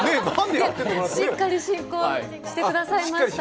しっかり進行してくださいました。